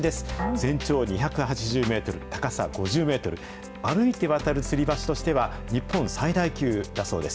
全長２８０メートル、高さ５０メートル、歩いて渡るつり橋としては、日本最大級だそうです。